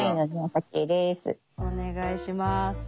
お願いします。